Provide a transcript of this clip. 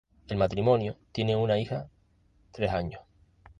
El matrimonio tiene una hija tres años.